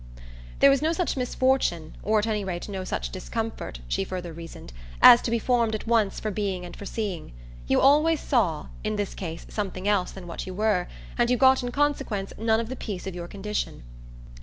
There was no such misfortune, or at any rate no such discomfort, she further reasoned, as to be formed at once for being and for seeing. You always saw, in this case something else than what you were, and you got in consequence none of the peace of your condition.